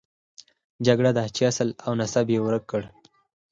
جګړه ده چې اصل او نسب یې ورک کړ.